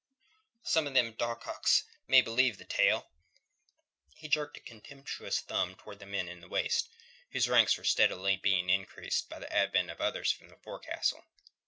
"Some o' them dawcocks may believe that tale." He jerked a contemptuous thumb towards the men in the waist, whose ranks were steadily being increased by the advent of others from the forecastle.